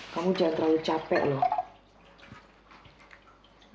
kamu udah terlalu capek loh